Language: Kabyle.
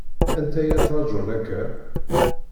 Anta i la ttṛaǧun akka?